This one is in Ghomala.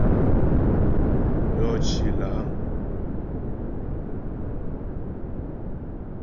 Yɔ cì lá'.